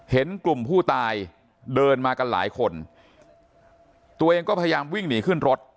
เห็นกลุ่มผู้ตายเดินมากันหลายคนตัวเองก็พยายามวิ่งหนีขึ้นรถ